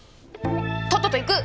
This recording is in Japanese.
とっとと行く！